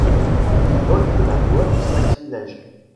Il vote la loi du sacrilège.